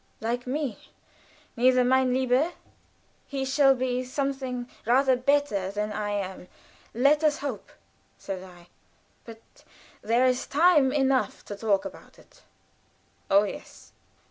"Like me? Nie, mein lieber; he shall be something rather better than I am, let us hope," said I; "but there is time enough to talk about it." "Oh, yes!